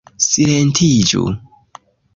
Silentiĝu!